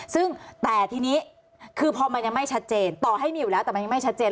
ซึ่งแต่ทีนี้คือพอมันยังไม่ชัดเจนต่อให้มีอยู่แล้วแต่มันยังไม่ชัดเจน